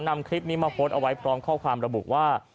นำคลิปนี้มาโพสต์เอาไว้พร้อมข้อความระบุว่า